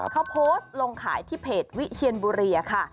เขาโพสต์ลงขายที่เพจวิเชียนบุรีค่ะ